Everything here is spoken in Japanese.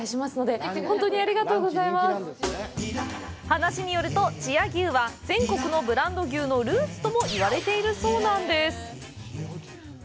話によると、千屋牛は全国のブランド牛のルーツとも言われているそうなんです。